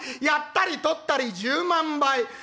やったりとったり１０万杯」。